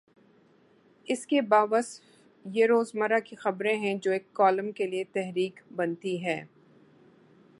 اس کے باوصف یہ روز مرہ کی خبریں ہیں جو ایک کالم کے لیے تحریک بنتی ہیں۔